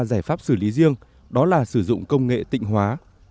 giải pháp xử lý riêng đó là sử dụng công nghệ tịnh hóa